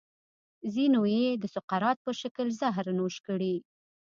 ځینو یې د سقراط په شکل زهر نوش کړي.